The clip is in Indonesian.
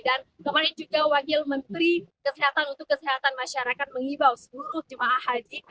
dan kemarin juga wakil menteri kesehatan untuk kesehatan masyarakat mengibau seluruh jemaah haji